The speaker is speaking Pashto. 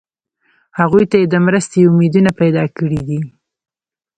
هغوی ته یې د مرستې امیدونه پیدا کړي دي.